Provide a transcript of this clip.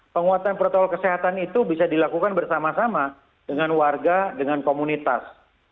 penguatan protokol kesehatan itu bisa dilakukan bersama sama dengan warga dengan komunitas